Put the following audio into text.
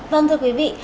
vâng thưa quý vị